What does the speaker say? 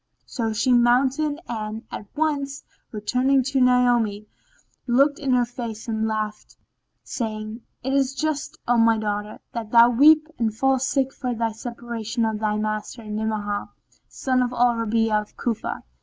So she mounted and, at once returning to Naomi, looked in her face and laughed saying, "It is just, O my daughter, that thou weep and fall sick for thy separation from thy master, Ni'amah, son of Al Rabi'a of Cufa."